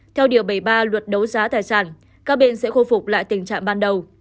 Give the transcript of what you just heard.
theo điều bảy mươi ba luật đấu giá tài sản các bên sẽ khôi phục lại tình trạng ban đầu